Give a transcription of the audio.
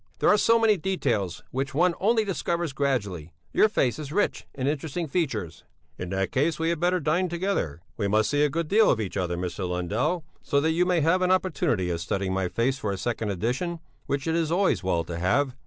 There are so many details which one only discovers gradually. Your face is rich in interesting features." "In that case we had better dine together! We must see a good deal of each other, Mr. Lundell, so that you may have an opportunity of studying my face for a second edition, which it is always well to have.